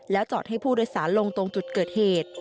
จอดให้ผู้โดยสารลงตรงจุดเกิดเหตุ